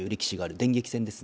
電撃戦ですね。